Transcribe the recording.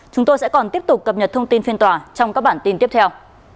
chúng tôi sẽ còn tiếp tục cập nhật thông tin phiên tòa trong các bản tin tiếp theo